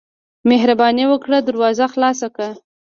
مهرباني وکړه دروازه راخلاصه کړه.